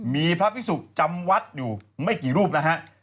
มีพระพิสุจำวัดอยู่ไม่กี่รูปนะฮะ